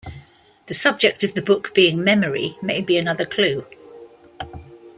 The subject of the book being memory may be another clue.